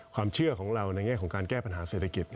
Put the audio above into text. ความเชื่อของเราในแง่ของการแก้ปัญหาเศรษฐกิจ